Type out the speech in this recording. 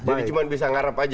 jadi cuma bisa ngarep aja ya